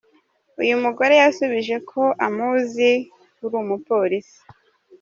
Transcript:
Uyu mugore yasubije ko amuzi ‘uri umupolisi.